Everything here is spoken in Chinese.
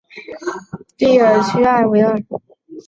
蒂尔屈埃维尔。